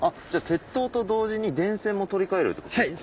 鉄塔と同時に電線も取り替えるってことですか？